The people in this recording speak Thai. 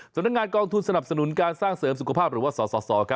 สำนักงานกองทุนสนับสนุนการสร้างเสริมสุขภาพหรือว่าสส